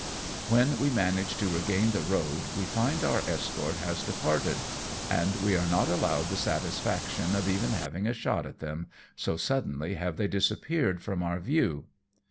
When we manage to regain the road, we find our escort has departed, and we are not allowed the satisfaction of even having a shot at them, so suddenly have they disappeared from our view.